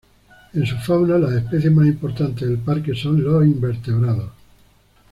En su fauna las especies más importantes del Parque son los invertebrados.